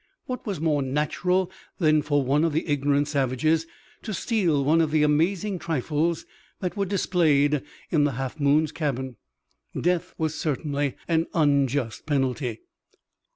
What was more natural than for one of the ignorant savages to steal some of the amazing trifles that were displayed in the Half Moon's cabin? Death was certainly an unjust penalty.